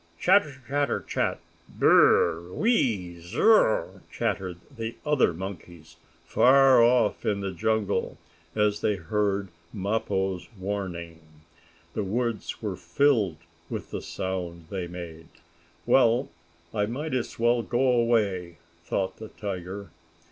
"Chatter chatter chat! Bur r r r r! Whe e e e e! Zir r r r!" chattered the other monkeys, far off in the jungle, as they heard Mappo's warning. The woods were filled with the sound they made. "Well, I might as well go away," thought the tiger.